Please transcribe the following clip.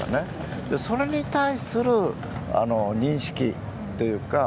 それに対する認識というか。